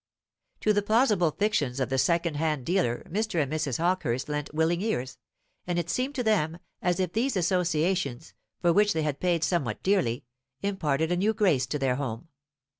To the plausible fictions of the second hand dealer Mr. and Mrs. Hawkehurst lent willing ears, and it seemed to them as if these associations, for which they had paid somewhat dearly, imparted a new grace to their home.